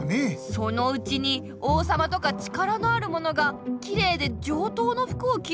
そのうちに王様とか力のあるものがきれいで上等の服をきるようになる。